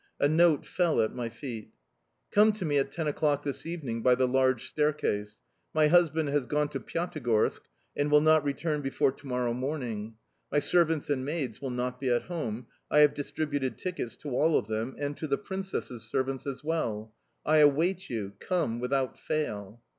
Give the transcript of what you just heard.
A note fell at my feet: "Come to me at ten o'clock this evening by the large staircase. My husband has gone to Pyatigorsk and will not return before to morrow morning. My servants and maids will not be at home; I have distributed tickets to all of them, and to the princess's servants as well. I await you; come without fail."